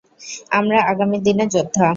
আমরা আগামীদিনের যোদ্ধা।